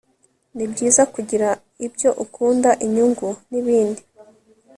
nibyiza kugira ibyo ukunda, inyungu nibindi